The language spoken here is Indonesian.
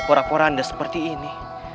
porak porak anda seperti ini